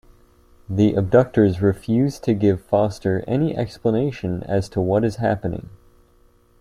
The abductors refuse to give Foster any explanation as to what is happening.